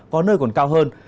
có nơi còn cao hơn